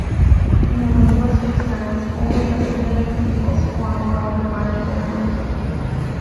In a linguistic sense, only the Semitic peoples form a well-defined family.